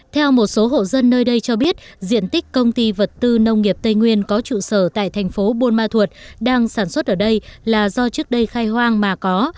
theo một số hộ dân nơi đây cho biết diện tích công ty vật tư nông nghiệp tây nguyên có trụ sở tại thành phố buôn ma thuột đang sản xuất ở đây là do trước đây khai hoang mà có